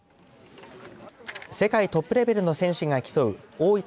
世界トップレベルの選手が競う大分